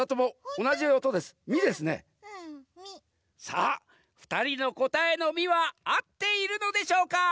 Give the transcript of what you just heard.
さあふたりのこたえのミはあっているのでしょうか？